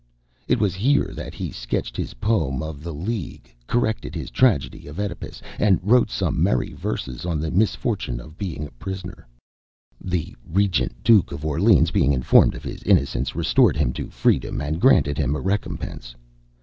It was here that he sketched his poem of the "League," corrected his tragedy of "Oedipus," and wrote some merry verses on the misfortune, of being a prisoner. The Regent, Duke of Orleans, being informed of his innocence, restored him to freedom, and granted him a recompense.